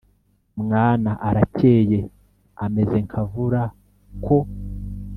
mwana arakeye ameze nkavura ko